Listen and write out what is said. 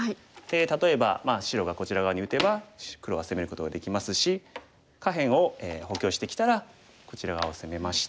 例えば白がこちら側に打てば黒は攻めることができますし下辺を補強してきたらこちら側を攻めまして。